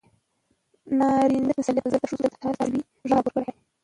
د نارينه د تسلط پر ضد د ښځو د تساوۍ غږ راپورته کړ.